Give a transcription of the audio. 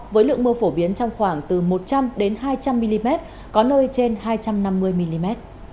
với lượng mưa phổ biến trong khoảng từ một trăm linh hai trăm linh mm có nơi trên hai trăm năm mươi mm